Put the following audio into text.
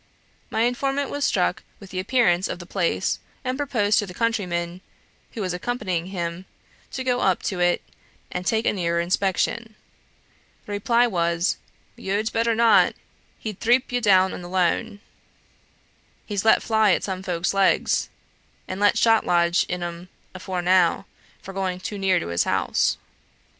My informant was struck with the appearance of the place, and proposed to the countryman who was accompanying him, to go up to it and take a nearer inspection. The reply was, "Yo'd better not; he'd threap yo' down th' loan. He's let fly at some folk's legs, and let shot lodge in 'em afore now, for going too near to his house."